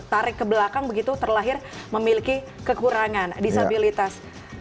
tarik ke belakang begitu terlahir memiliki kekurangan disabilitas